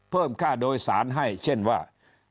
เพิ่มค่าโดยสารให้เช่นว่า